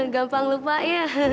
gampang lupa ya